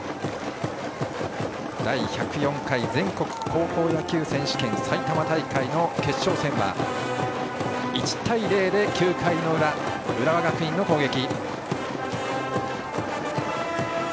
第１０４回全国高校野球選手権埼玉大会の決勝戦は１対０で９回裏、浦和学院の攻撃。